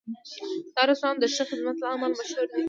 دا رستورانت د ښه خدمت له امله مشهور دی.